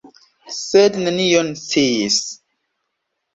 Sed li nenion sciis.